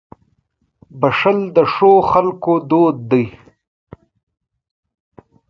• بښل د ښو خلکو دود دی.